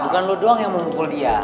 bukan lu doang yang mau ngumpul dia